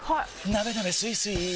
なべなべスイスイ